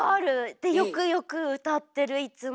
でよくよく歌ってるいつも。